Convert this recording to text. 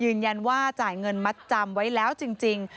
ยืนยันว่าจ่ายเงินมัดจำไว้แล้วจริง